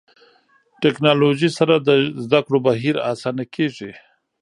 ټکنالوژي سره د زده کړو بهیر اسانه کېږي.